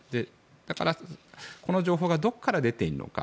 だから、この情報がどこから出ているのか。